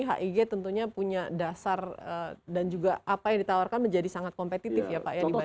hig tentunya punya dasar dan juga apa yang ditawarkan menjadi sangat kompetitif ya pak ya dibandingkan